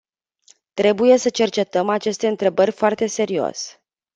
Trebuie să cercetăm aceste întrebări foarte serios.